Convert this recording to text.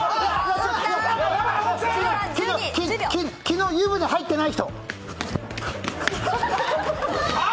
昨日、湯船入ってない人。